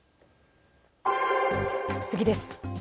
次です。